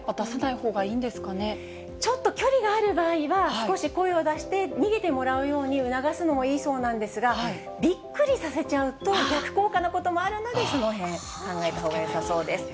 ほうちょっと距離がある場合は、少し声を出して、逃げてもらうように促すのもいいそうなんですが、びっくりさせちゃうと、逆効果なこともあるので、そのへん、考えたほうがよさそうです。